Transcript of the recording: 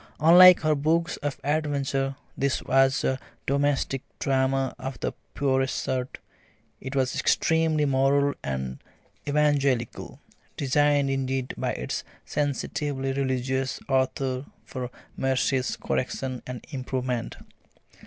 Unlike her books of adventure, this was a domestic drama of the purest sort; it was extremely moral and evangelical, designed indeed by its sensitively religious author for Marcie's correction and improvement.